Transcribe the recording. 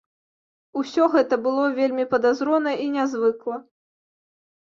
Усё гэта было вельмі падазрона і нязвыкла.